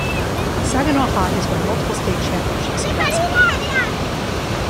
Saginaw High has won multiple state championships in basketball.